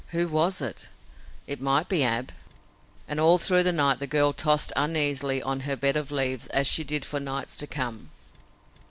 Who was it? It might be Ab! And all through the night the girl tossed uneasily on her bed of leaves, as she did for nights to come.